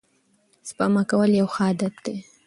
سپما کول یو ښه عادت دی.